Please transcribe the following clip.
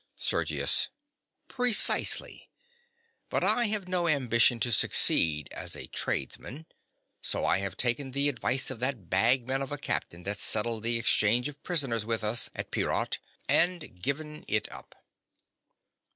SERGIUS. Precisely. But I have no ambition to succeed as a tradesman; so I have taken the advice of that bagman of a captain that settled the exchange of prisoners with us at Peerot, and given it up.